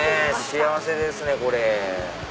幸せですねこれ。